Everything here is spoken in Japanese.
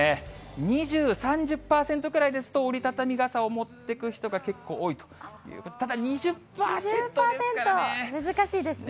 ２０、３０％くらいですと、折り畳み傘を持っていく人が結構多いということで、ただ、２０％難しいですね。